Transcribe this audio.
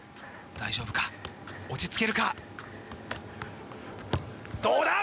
大丈夫か落ち着けるかどうだ？